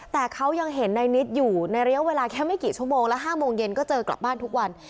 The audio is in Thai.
แต่เขายังเห็นในนิดอยู่ในระยะเวลาแค่ไม่กี่ชั่วโมงและ๕โมงเย็นก็เจอกลับบ้านทุกวัน